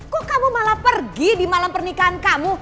kok kamu malah pergi di malam pernikahan kamu